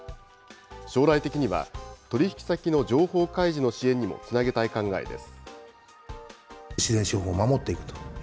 将来的には取り引き先の情報開示の支援にもつなげたい考えです。